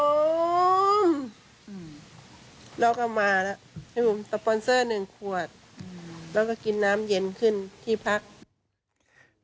แล้วก็กินน้ำเย็นขึ้นที่พัก